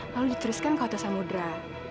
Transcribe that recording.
lalu dituliskan ke hotel samudera